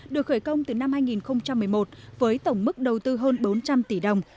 được khởi công từ năm hai nghìn một mươi một với tổng mức đầu tư hơn bốn trăm linh tỷ đồng